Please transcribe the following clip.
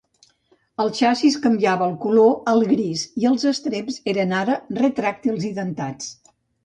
El xassís canviava el color al gris i els estreps eren ara retràctils i dentats.